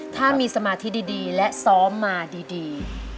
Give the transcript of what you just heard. ถ้ามีสมาธิดีและซ้อมมาดี